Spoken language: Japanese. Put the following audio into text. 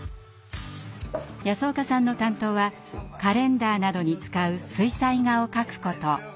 安岡さんの担当はカレンダーなどに使う水彩画を描くこと。